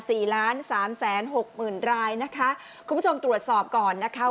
สี่ล้านสามแสนหกหมื่นรายนะคะคุณผู้ชมตรวจสอบก่อนนะคะ